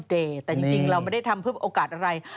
แต่จริงเราไม่ได้ทำเพื่อโอกาสอะไร